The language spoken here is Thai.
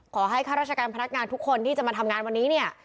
ข้าราชการพนักงานทุกคนที่จะมาทำงานวันนี้เนี่ย